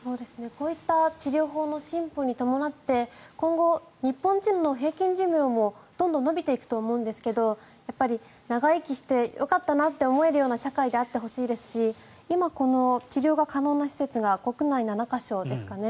こういった治療法の進歩に伴って今後、日本人の平均寿命もどんどん延びていくと思うんですけど長生きしてよかったなと思えるような社会であってほしいですし今、治療が可能な施設が国内７か所ですかね